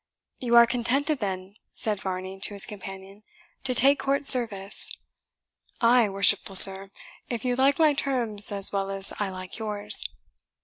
"You are contented, then," said Varney to his companion, "to take court service?" "Ay, worshipful sir, if you like my terms as well as I like yours."